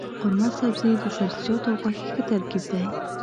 قورمه سبزي د سبزيجاتو او غوښې ښه ترکیب دی.